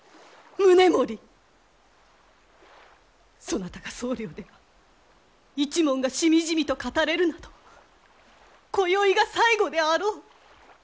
そなたが総領では一門がしみじみと語れるなどこよいが最後であろう！